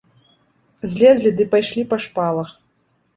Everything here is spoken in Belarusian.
Злезлі ды пайшлі па шпалах.